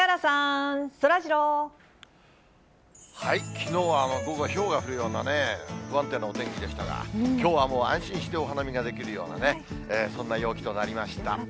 きのうは午後、ひょうが降るような不安定なお天気でしたが、きょうはもう、安心してお花見ができるような、そんな陽気となりました。